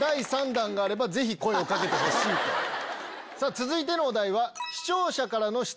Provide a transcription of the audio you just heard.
続いてのお題。